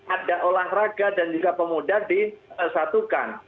ada olahraga dan juga pemuda disatukan